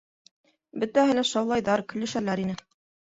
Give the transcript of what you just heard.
Бөтәһе лә шаулайҙар, көлөшәләр ине.